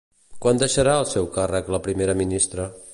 Quan deixarà el seu càrrec la primera ministra?